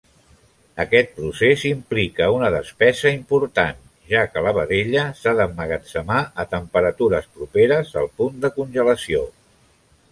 Aquest procés implica un gasto important, ja que la vedella s'ha d'emmagatzemar a temperatures properes al punt de congelació.